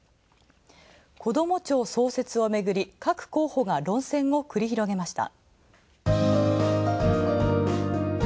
こども庁創設をめぐり、各候補が論戦を繰り広げました。